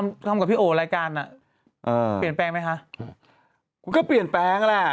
ทำทำกับพี่โอรายการอ่ะเปลี่ยนแปลงไหมคะคุณก็เปลี่ยนแปลงแหละ